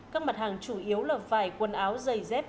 các mặt hàng chủ yếu là vải quần áo giày dép